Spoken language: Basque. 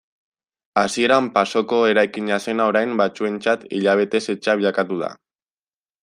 Hasieran pasoko eraikina zena orain batzuentzat hilabetez etxea bilakatu da.